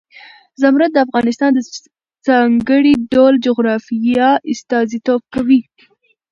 زمرد د افغانستان د ځانګړي ډول جغرافیه استازیتوب کوي.